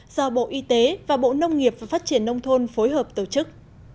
do bộ y tế và bộ nông nghiệp và phát triển nông thôn phối hợp tổ chức